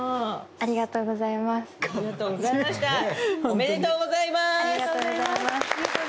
ありがとうございます。